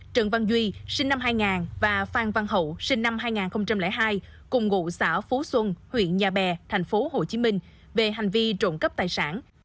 trần văn duy sinh năm hai nghìn và phan văn hậu sinh năm hai nghìn hai cùng ngụ xã phú xuân huyện nhà bè tp hcm về hành vi trộm cắp tài sản